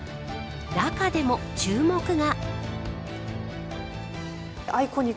中でも注目が。